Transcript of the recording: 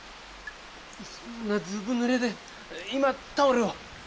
そんなずぶぬれで今タオルを。